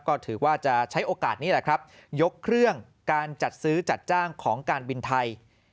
ก็ถือว่าจะใช้โอกาสนี้แหละครับยกเครื่องการจัดซื้อจัดจ้างของการบินไทย